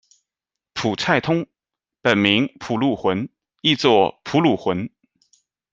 蒲察通，本名蒲鲁浑，亦作蒲卢浑。